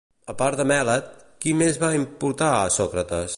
A part de Mèlet, qui més va imputar a Sòcrates?